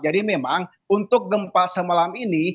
jadi memang untuk gempa semalam ini